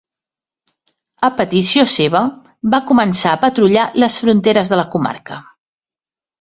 A petició seva, va començar a patrullar les fronteres de la Comarca.